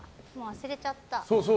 忘れちゃった。